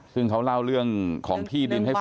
ซึ่งเขาเล่าเรื่องของที่ดินให้ฟัง